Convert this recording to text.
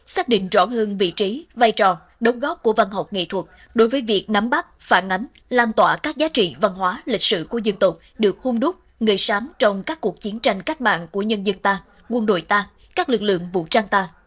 xác định rõ hơn vị trí vai trò đồng góp của văn học nghệ thuật đối với việc nắm bắt phản ánh làm tỏa các giá trị văn hóa lịch sử của dân tộc được hung đúc người sám trong các cuộc chiến tranh cách mạng của nhân dân ta quân đội ta các lực lượng vũ trang ta